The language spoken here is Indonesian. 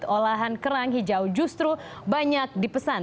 olahan kerang hijau justru banyak dipesan